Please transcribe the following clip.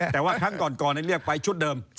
แต่ว่าครั้งก่อนเรียกไปชุดเดิม